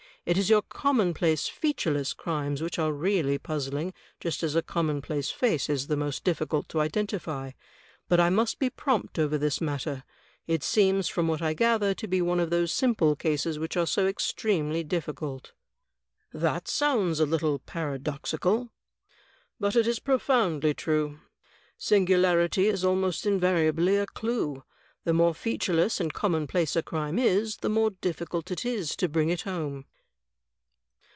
It is your commonplace, featureless crimes which are really puzzling, just as a commonplace face is the most difficult to identify. But I must be prompt over this matter. — It seems, from what I gather, to be one of those simple cases which are so extremely difficult." "That sounds a little paradoxical." "But it is profoundly true. Singularity is almost invariably a clew. The more featureless and commonplace a crime is, the more difficult is it to bring it home."